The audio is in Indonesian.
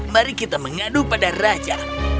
mari kita mengadu pada raja